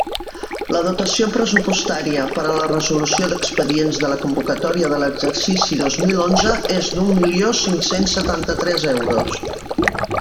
La dotació pressupostària per a la resolució d'expedients de la convocatòria de l'exercici dos mil onze és d'un milió cinc-cents setanta-tres euros.